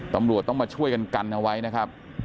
ตำรวจต้องมาช่วยกันกันเอาไว้นะครับ